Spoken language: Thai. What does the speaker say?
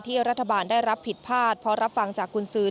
รัฐบาลได้รับผิดพลาดเพราะรับฟังจากกุญสือ